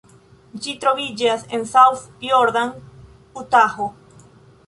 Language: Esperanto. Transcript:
Ĝi troviĝas en South Jordan, Utaho.